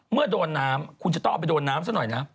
เมื่อโดนน้ำคุณจะต้องเอาไปโดนน้ำซะหน่อยนะ